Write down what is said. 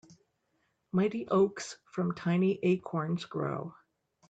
Mighty oaks from tiny acorns grow.